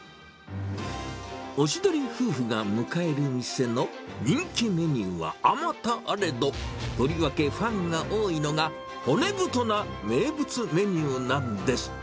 おしどり夫婦が迎える店の人気メニューはあまたあれど、とりわけファンが多いのが、骨太な名物メニューなんです。